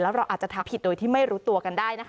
เราอาจจะทำผิดโดยที่ไม่รู้ตัวกันได้นะคะ